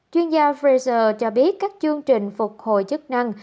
chuyên gia fraser cho biết các chương trình phục hồi chức năng